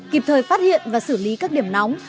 kịp thời phát hiện và xử lý các điểm nóng